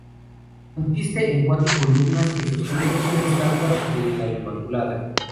Consiste en cuatro columnas que sostienen una estatua de la Inmaculada.